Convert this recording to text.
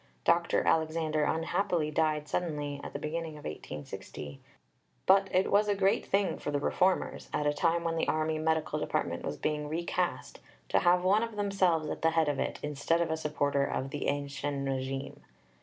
Dr. Alexander unhappily died suddenly at the beginning of 1860, but it was a great thing for the Reformers, at a time when the Army Medical Department was being recast, to have one of themselves at the head of it, instead of a supporter of the ancien régime.